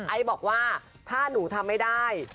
ไอซ์บอกว่าถ้าหนูทำไม่ได้